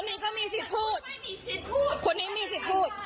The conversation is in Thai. อันนี้ก็มีสิทธิ์พูดคนนี้มีสิทธิ์พูด